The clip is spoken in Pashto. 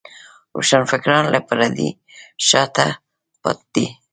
روښانفکران له پردې شاته پټ دي.